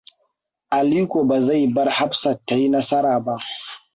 Aliko bazai bar Hafsat ta yi nasara ba.